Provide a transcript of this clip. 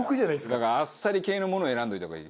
だからあっさり系のもの選んでおいた方がいい。